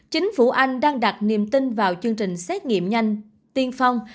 chính phủ anh đang đặt niềm tin vào chương trình xét nghiệm nhanh tiên phong